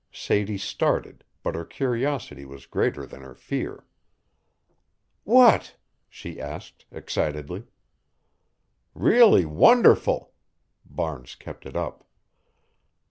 Sadie started, but her curiosity was greater than her fear. "What?" she asked, excitedly. "Really wonderful!" Barnes kept it up.